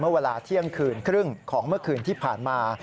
เวลาเที่ยงคืนครึ่งของเมื่อคืนที่ผ่านมา